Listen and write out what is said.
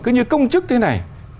cứ như công chức thế này